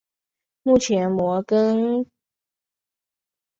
目前摩根敦市立机场只有飞往杜勒斯机场的航班。